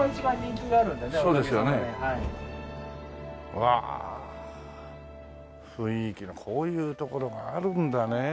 うわ雰囲気のこういう所があるんだね。